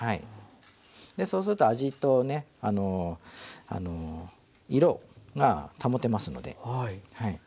そうすると味とね色が保てますので。